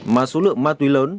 mà số lượng ma túy lớn